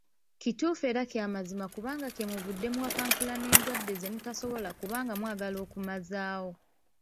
Kituufu era ky'amazima kubanga kyemuvudde muwakankula n'endwadde zemutasobola kubanga mwagala okumazaawo